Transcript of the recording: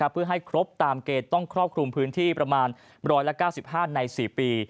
เพื่อให้ครบตามเกณฑ์ต้องครอบคลุมพื้นที่ประมาณ๑๙๕ใน๔ปี